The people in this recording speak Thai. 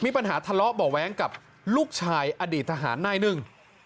มีปัญหาทะเลาะเบาะแว้งกับลูกชายอดีตทหารนายหนึ่ง